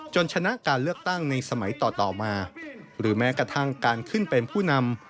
ชนะการเลือกตั้งในสมัยต่อมาหรือแม้กระทั่งการขึ้นเป็นผู้นำ